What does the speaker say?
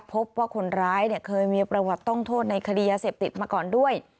พบว่าคนร้ายเคยมีประวัติต้องโทษในคดียาเสพติดมาก่อนด้วย